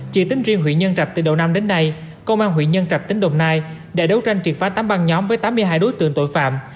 chỉ tính riêng huyện nhân trạch từ đầu năm đến nay công an huyện nhân trạch tỉnh đồng nai đã đấu tranh triệt phá tám băng nhóm với tám mươi hai đối tượng tội phạm